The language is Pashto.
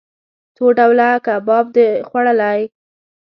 څو ډوله کباب د خوړلئ؟